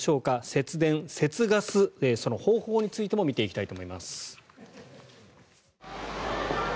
節電、節ガスその方法についても見ていきたいと思います。